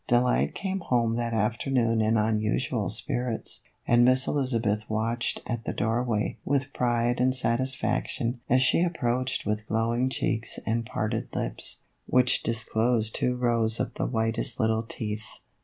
Delight came home that afternoon in unusual spirits, and Miss Elizabeth watched at the doorway with pride and satisfaction as she approached with glowing cheeks and parted lips, which disclosed two rows of the whitest little teeth.